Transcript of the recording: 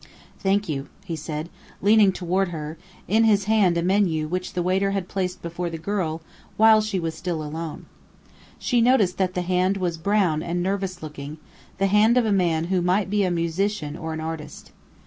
"Thank you," he said, leaning toward her, in his hand a menu which the waiter had placed before the girl while she was still alone. She noticed that the hand was brown and nervous looking, the hand of a man who might be a musician or an artist.